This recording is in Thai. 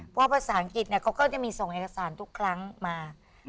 เพราะภาษาอังกฤษเขาก็จะมีส่งเอกสารทุกครั้งมา